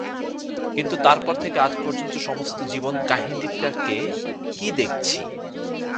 কিন্তু তার পর থেকে আজ পর্যন্ত সমস্ত জীবনকাহিনীটাকে কী দেখছি?